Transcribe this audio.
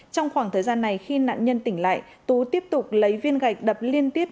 trong khoảng thời gian này khi nạn nhân tỉnh lại tú tiếp tục lấy viên gạch đập liên tiếp